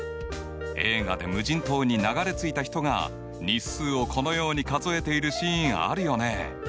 映画で無人島に流れ着いた人が日数をこのように数えているシーンあるよね。